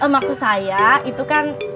maksud saya itu kan